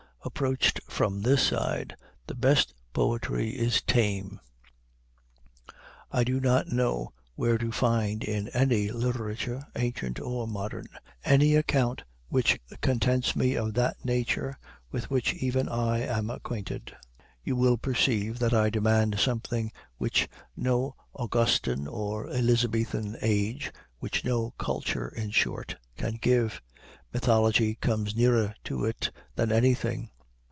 Approached from this side, the best poetry is tame. I do not know where to find in any literature, ancient or modern, any account which contents me of that Nature with which even I am acquainted. You will perceive that I demand something which no Augustan nor Elizabethan age, which no culture, in short, can give. Mythology comes nearer to it than anything.